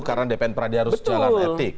karena dpn pradi harus jalan etik